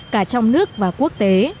cả trong nước và quốc tế